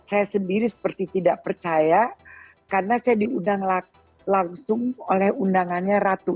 saya sendiri seperti tidak percaya karena saya diundang langsung oleh undangannya ratu